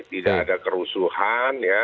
tidak ada kerusuhan ya